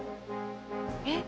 えっ？